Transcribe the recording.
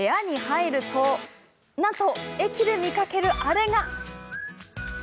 部屋に入るとなんと駅で見かける、あれが。